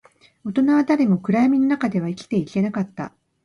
大人は誰も暗闇の中では生きていけなかった